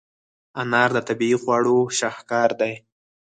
انار د طبیعي خواړو شاهکار دی.